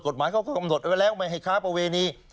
กฎหมายเขาก็กำหนดเอาไว้แล้วไม่ให้ค้าประเวณี